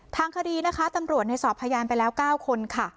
ทางคดีนะคะตำรวจในสอบพยานไปแล้ว๙คนค่ะ